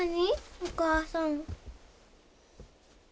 お母さん。